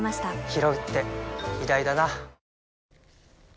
ひろうって偉大だな